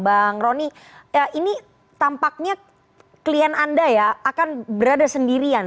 bang roni ini tampaknya klien anda ya akan berada sendirian